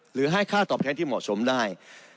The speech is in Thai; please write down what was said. หรือให้ค่าตอบแทนที่เหมาะสมได้